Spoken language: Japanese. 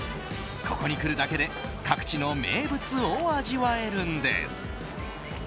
ここに来るだけで各地の名物を味わえるんです。